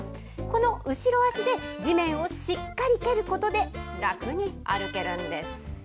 この後ろ足で、地面をしっかり蹴ることで、楽に歩けるんです。